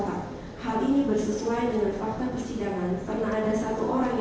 dan dihubungkan dengan kandungan yang berada di rumah sakit abdiwaluyo